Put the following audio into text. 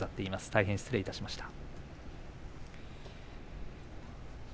大変失礼しました。